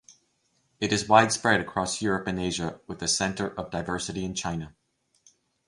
It is widespread across Europe and Asia, with a center of diversity in China.